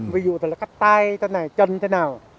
ví dụ là cách tay thế này chân thế nào